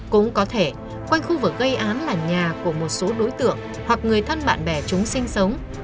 cũng có thể quanh khu vực gây án là nhà của một số đối tượng hoặc người thân bạn bè chúng sinh sống